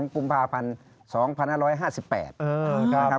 ปุ่มภาพันธ์๒๑๕๘